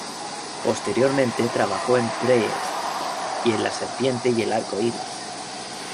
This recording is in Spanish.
Posteriormente trabajó en "Priest" y en "La serpiente y el arco iris".